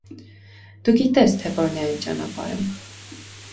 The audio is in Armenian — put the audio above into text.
Դու գիտես, թե ո՛րն է այդ ճանապարհը: